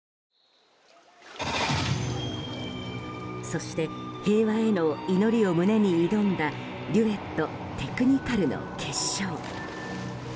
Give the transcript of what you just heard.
そして平和への祈りを胸に挑んだデュエット・テクニカルの決勝。